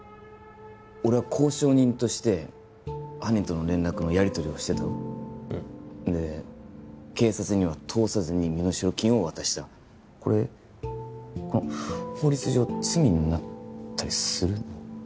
俺は交渉人として犯人との連絡のやりとりをしてたろうんで警察には通さずに身代金を渡したこれ法律上罪になったりするの？